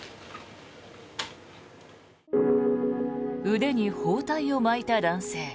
腕に包帯を巻いた男性。